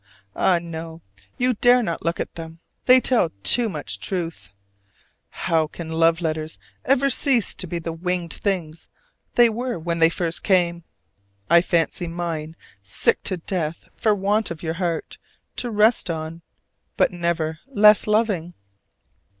Ah no, you dare not look at them: they tell too much truth! How can love letters ever cease to be the winged things they were when they first came? I fancy mine sick to death for want of your heart to rest on; but never less loving.